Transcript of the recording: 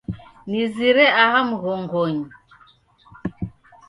Nizire aha mghongonyi